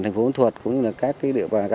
thành phố vân thuật cũng như là các